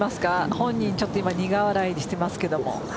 本人ちょっと苦笑いしてますけど。